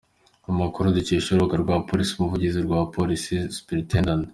Amakuru dukesha urubuga rwa Polisi, Umuvugizi wa Polisi Supt.